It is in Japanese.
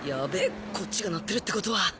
こっちが鳴ってるってことは。